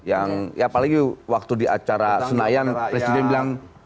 yang ya apalagi waktu di acara senayan presiden bilang